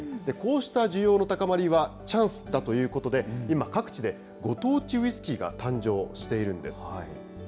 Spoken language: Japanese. こうした需要の高まりはチャンスだということで、今、各地でご当地ウイスキーが誕生しているんです。